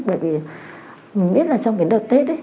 bởi vì mình biết là trong cái đợt tết